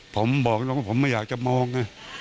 ผมบอกแล้วผมไม่อยากจะมอง